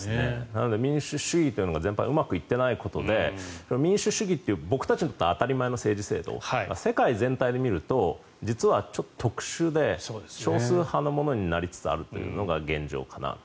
なので、民主主義というのが全般にうまくいっていないことで民主主義という僕たちにとっては当たり前の政治制度世界全体で見ると実はちょっと特殊で少数派のものになりつつあるというのが現状かなと。